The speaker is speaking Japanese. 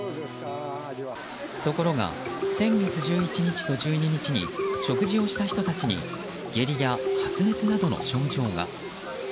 ところが、先月１１日と１２日に食事をした人たちに下痢や発熱などの症状が。